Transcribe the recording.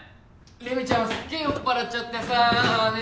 レミちゃんすっげぇ酔っ払っちゃってさね